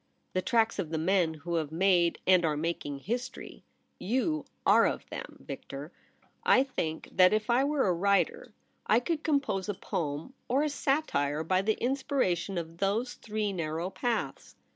' The tracks of the men who have made and are making history. V021 are of them, Victor. I think that if I were a writer, I 46 THE REBEL ROSE. could compose a poem or a satire by the inspiration of those three narrow paths.